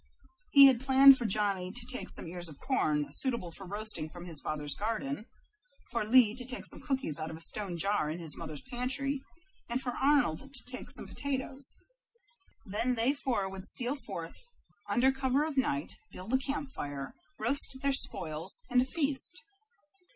He had planned for Johnny to take some ears of corn suitable for roasting from his father's garden; for Lee to take some cookies out of a stone jar in his mother's pantry; and for Arnold to take some potatoes. Then they four would steal forth under cover of night, build a camp fire, roast their spoils, and feast.